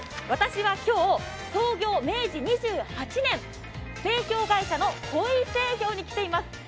私は今日、創業明治２８年、製氷会社の己斐製氷に来ています。